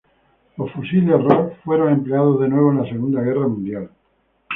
Los fusiles Ross fueron empleados de nuevo en la Segunda Guerra Mundial.